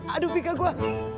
aduh bika gue